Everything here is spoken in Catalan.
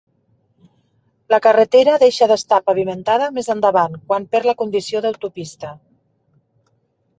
La carretera deixa d'estar pavimentada més endavant quan perd la condició d'autopista.